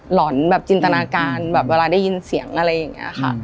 หอนแบบจินตนาการแบบเวลาได้ยินเสียงอะไรอย่างนี้ค่ะ